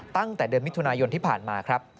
ตั้งแต่เดือนมิถุนายนที่ผ่านมาครับ